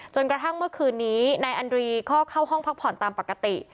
กระทั่งเมื่อคืนนี้นายอันรีก็เข้าห้องพักผ่อนตามปกติ